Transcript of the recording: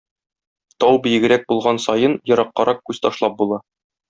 Тау биегрәк булган саен ераккарак күз ташлап була.